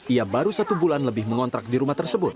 ia baru satu bulan lebih mengontrak di rumah tersebut